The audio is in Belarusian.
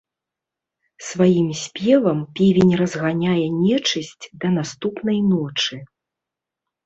Сваім спевам певень разганяе нечысць да наступнай ночы.